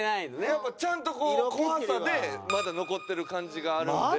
やっぱちゃんと怖さでまだ残ってる感じがあるんで。